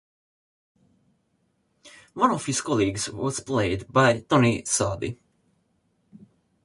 One of his colleagues was played by Tony Selby.